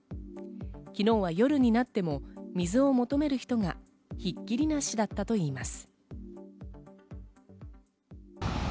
昨日は夜になっても水を求める人がひっきりなしだったといいます。